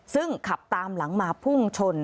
ซึ่งขับตามหลังมาพุ่งชน